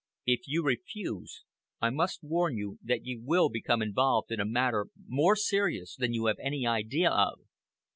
If you refuse, I must warn you that you will become involved in a matter more serious than you have any idea of."